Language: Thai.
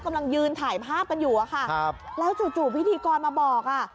กำลังยืนถ่ายภาพกันอยู่อะค่ะครับแล้วจู่พิธีกรมาบอกอ่ะ